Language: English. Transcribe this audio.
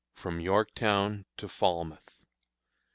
FROM YORKTOWN TO FALMOUTH.